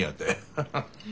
ハハッ。